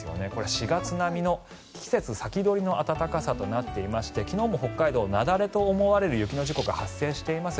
４月並みの季節先取りの暖かさで昨日も北海道、雪崩と思われる雪の事故が発生しています。